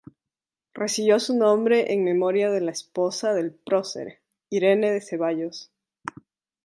Recibió su nombre en memoria de la esposa del prócer: Irene de Ceballos.